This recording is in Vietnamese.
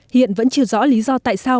hiện vẫn chưa rõ lý do tại sao